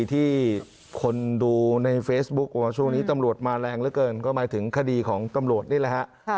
แต่เขาก็ต้องรับผิดที่เอาไว้